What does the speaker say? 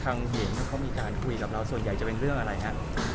เห็นเขามีการคุยกับเราส่วนใหญ่จะเป็นเรื่องอะไรฮะ